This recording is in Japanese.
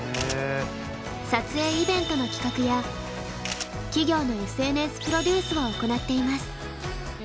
撮影イベントの企画や企業のＳＮＳプロデュースを行っています。